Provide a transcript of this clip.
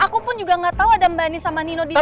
aku pun juga gak tahu ada mbak anin sama nino di sini